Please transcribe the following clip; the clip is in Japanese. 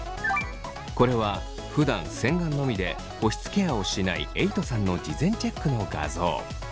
これはふだん洗顔のみで保湿ケアをしないえいとさんの事前チェックの画像。